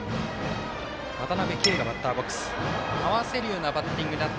渡辺憩がバッターボックス。